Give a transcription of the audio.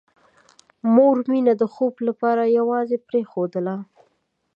مور مينه د خوب لپاره یوازې پرېښودله